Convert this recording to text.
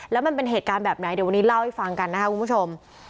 แล้วมันเป็นเหตุการณ์แบบไหนเดี๋ยววันนี้เล่าให้ฟังกันนะครับคุณผู้ชม